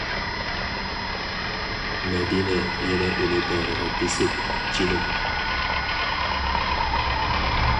مەدىنە يەنە ئۇنى باغرىغا بېسىپ، -جېنىم.